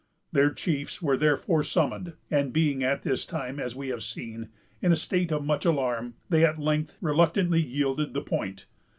Their chiefs were therefore summoned; and being at this time, as we have seen, in a state of much alarm, they at length reluctantly yielded the point.